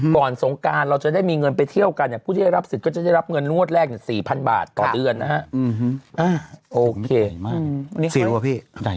กรรณสงการเราจะได้มีเงินไปเที่ยวกันพูดให้รับสิทธิ์จะได้รับเหงาวดแรก๔๐๐๐บาทต่อเดือนนะฮะ